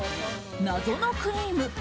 謎のクリーム。